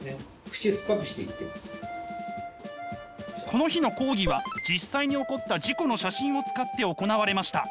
この日の講義は実際に起こった事故の写真を使って行われました。